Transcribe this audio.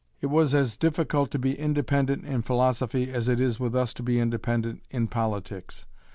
It was as difficult to be independent in philosophy as it is with us to be independent in politics.